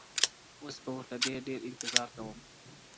اوس به ورته ډېر ،ډېر انـتـظـار كوم~